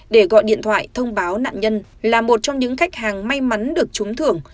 để gọi điện thoại thông báo nạn nhân là một trong những khách hàng may mắn được trúng thưởng